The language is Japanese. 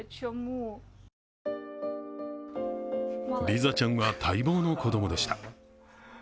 リザちゃんは待望の子供でした。